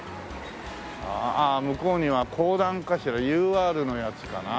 ああ向こうには公団かしらＵＲのやつかな？